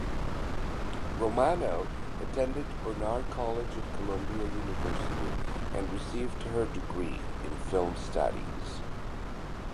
Romano attended Barnard College at Columbia University and received her degree in Film Studies.